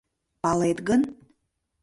— Палет гын...